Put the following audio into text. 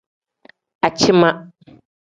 Aciima.